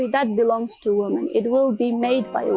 itu akan dibuat oleh wanita